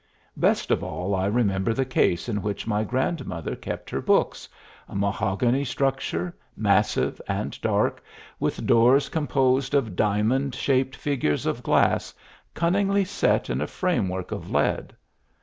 Best of all I remember the case in which my grandmother kept her books, a mahogany structure, massive and dark, with doors composed of diamond shaped figures of glass cunningly set in a framework of lead.